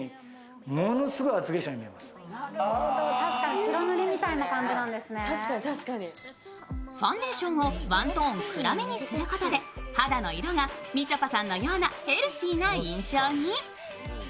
美白とかに持っていくとファンデーションをワントーン暗めにすることで肌の色がみちょぱさんのようなヘルシーな印象に。